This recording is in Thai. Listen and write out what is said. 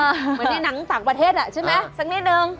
เหมือนในน้ำตากประเทศอะใช่ไหมสักนิดหนึ่ง